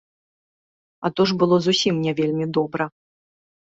А то ж было зусім не вельмі добра.